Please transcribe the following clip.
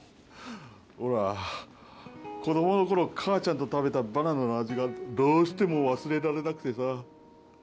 オラ子供の頃母ちゃんと食べたバナナの味がどうしても忘れられなくてさ。